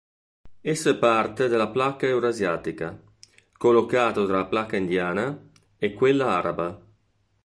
Esso è parte della placca euroasiatica, collocato tra la placca indiana e quella araba.